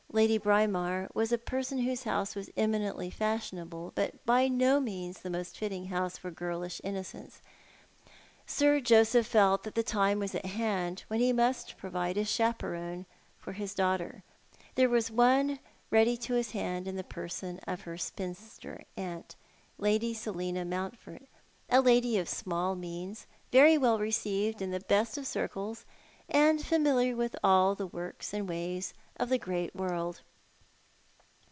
Lady Braemar, was a person whose house was eminently fashionable, but by no means the most fitting house for girlish innocence. Sir Joseph felt that the time was at hand^when he must provide a chaperon for his daughter. There was one ready to his hand in the person of her spinster aunt, Lady Seliua Mountford, a lady of small means, very well received iu the very best circle, and familiar with all the works and ways of the great world.